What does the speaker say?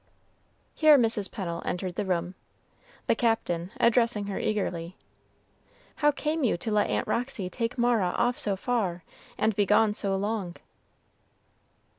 Here Mrs. Pennel entered the room, "the Captain" addressing her eagerly, "How came you to let Aunt Roxy take Mara off so far, and be gone so long?"